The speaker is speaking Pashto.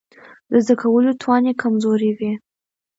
د زده کولو توان يې کمزوری وي.